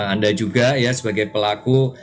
anda juga ya sebagai pelaku